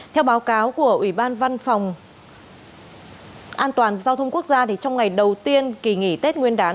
theo báo cáo của ủy ban văn phòng an toàn giao thông quốc gia trong ngày đầu tiên kỳ nghỉ tết nguyên đán